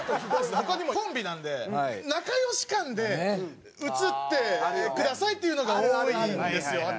他にもコンビなんで仲良し感で写ってくださいっていうのが多いんですよ